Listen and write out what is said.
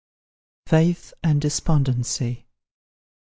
FAITH AND DESPONDENCY.